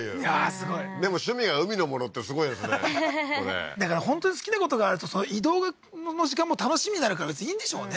すごいでも趣味が海のものってすごいですねははははっだから本当に好きなことがあると移動の時間も楽しみになるから別にいいんでしょうね